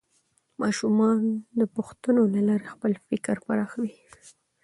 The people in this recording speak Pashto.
ماشومان د پوښتنو له لارې خپل فکر پراخوي